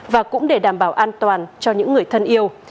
và cũng để đảm bảo an toàn cho những người thân yêu